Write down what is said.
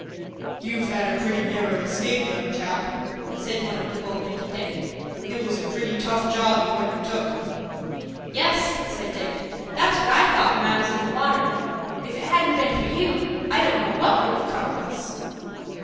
"You've had a pretty narrow escape, young chap," said one of the boatmen to Dick. "It was a pretty tough job you undertook." "Yes," said Dick. "That's what I thought when I was in the water. If it hadn't been for you, I don't know what would have 'come of us."